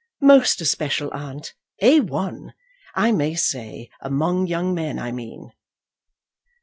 "Most especial, aunt. A 1, I may say; among young men, I mean."